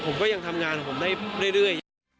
ผมก็ยังทำงานของผมได้เรื่อย